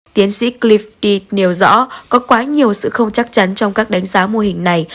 tiến sĩ clife nêu rõ có quá nhiều sự không chắc chắn trong các đánh giá mô hình này